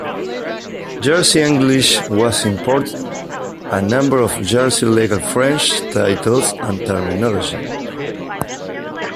Jersey English has imported a number of Jersey Legal French titles and terminology.